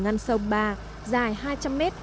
ngăn sông ba dài hai trăm linh m